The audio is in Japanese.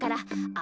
あ。